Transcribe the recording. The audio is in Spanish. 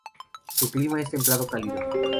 Su clima es templado cálido.